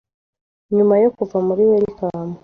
Nyuma yo kuva muri Wellcome,